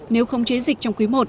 nếu không chế dịch trong quý i